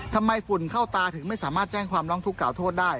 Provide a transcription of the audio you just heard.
ฝุ่นเข้าตาถึงไม่สามารถแจ้งความร้องทุกข่าโทษได้